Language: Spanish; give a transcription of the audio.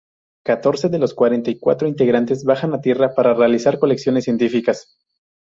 Catorce de los cuarenta y cuatro integrantes bajan a Tierra, para realizar colecciones científicas.